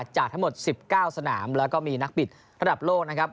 จากทั้งหมด๑๙สนามแล้วก็มีนักบิดระดับโลกนะครับ